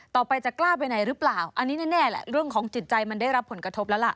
ต่อไปจะกล้าไปไหนหรือเปล่าอันนี้แน่แหละเรื่องของจิตใจมันได้รับผลกระทบแล้วล่ะ